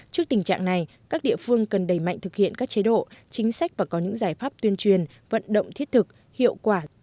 trước tình trạng này các địa phương cần đẩy mạnh thực hiện các chế độ chính sách và có những giải pháp tuyên truyền vận động thiết thực hiệu quả